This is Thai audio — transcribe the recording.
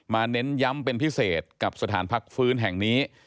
เน้นย้ำเป็นพิเศษกับสถานพักฟื้นแห่งนี้